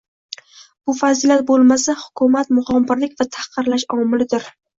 Bu fazilat bo‘lmasa hukumat mug‘ombirlik va tahqirlash omilidir.